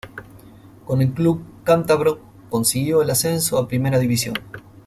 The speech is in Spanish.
Con el club cántabro consiguió el ascenso a Primera División.